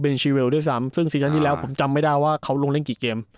เป็นชีเวลด้วยซ้ำซึ่งซีซั่นที่แล้วผมจำไม่ได้ว่าเขาลงเล่นกี่เกม